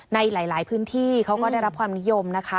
ในหลายพื้นที่เขาก็ได้รับความนิยมนะคะ